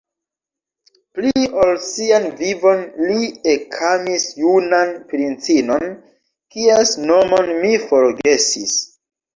Pli ol sian vivon li ekamis junan princinon, kies nomon mi forgesis.